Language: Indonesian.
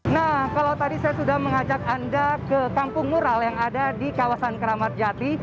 nah kalau tadi saya sudah mengajak anda ke kampung mural yang ada di kawasan keramat jati